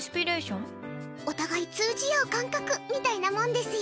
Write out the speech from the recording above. お互い通じ合う感覚みたいなもんですよ。